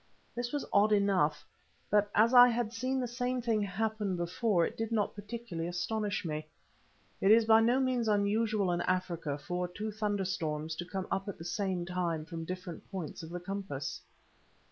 This was odd enough, but as I had seen the same thing happen before it did not particularly astonish me. It is by no means unusual in Africa for two thunderstorms to come up at the same time from different points of the compass.